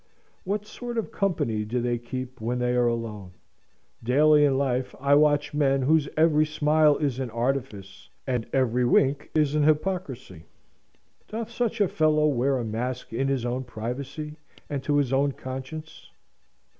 What sort of company do they keep when they are alone? Daily in life I watch men whose every smile is an artifice, and every wink is an hypocrisy. Doth such a fellow wear a mask in his own privacy, and to his own conscience?